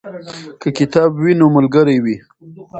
که کتاب وي نو ملګری وي.